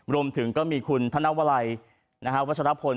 รวมถึงก็มีคุณธนวลัยวัชรพล